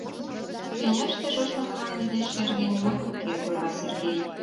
Тӱняште шочмо мланде деч шерге нимат уке, — ойла Сергей.